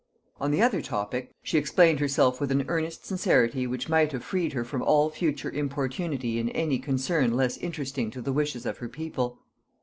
On the other topic she explained herself with an earnest sincerity which might have freed her from all further importunity in any concern less interesting to the wishes of her people.